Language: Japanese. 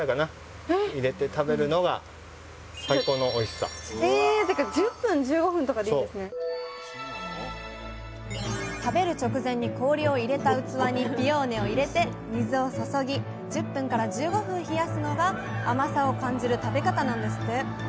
さあここで食べる直前に氷を入れた器にピオーネを入れて水を注ぎ１０分１５分冷やすのが甘さを感じる食べ方なんですって！